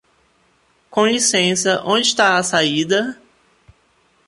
Com licença, onde está a saída?